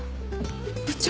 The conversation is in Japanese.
部長。